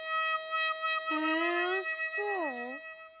へえそう？